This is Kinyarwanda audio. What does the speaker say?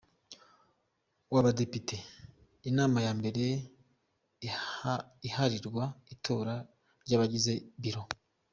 w’Abadepite, inama ya mbere iharirwa itora ry’abagize Biro.